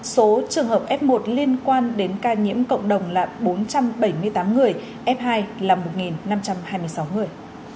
số trường hợp f một liên quan đến ca nhiễm cộng đồng là bốn trăm bảy mươi tám người f hai là một năm trăm hai mươi sáu người